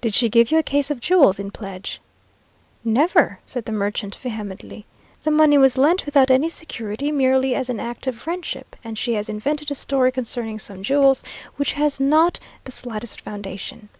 "Did she give you a case of jewels in pledge?" "Never," said the merchant, vehemently. "The money was lent without any security; merely as an act of friendship, and she has invented a story concerning some jewels, which has not the slightest foundation."